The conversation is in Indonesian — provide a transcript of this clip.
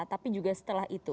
tapi juga setelah itu